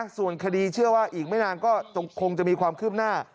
ส่วนคดีเชื่อว่าอีกไม่นานก็คงจะมีความคืบหน้า